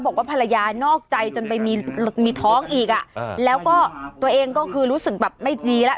บอกว่าภรรยานอกใจจนไปมีท้องอีกอ่ะแล้วก็ตัวเองก็คือรู้สึกแบบไม่ดีแล้ว